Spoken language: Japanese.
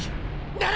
なら！